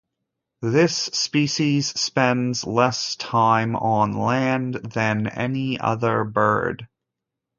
This species spends less time on land than any other bird.